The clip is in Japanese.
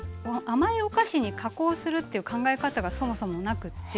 甘いお菓子に加工するっていう考え方がそもそもなくって。